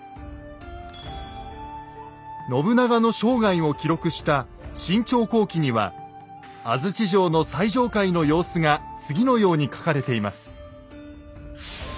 信長の生涯を記録した「信長公記」には安土城の最上階の様子が次のように書かれています。